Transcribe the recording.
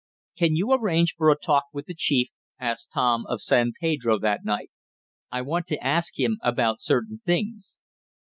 "Can you arrange for a talk with the chief?" asked Tom of San Pedro that night. "I want to ask him about certain things."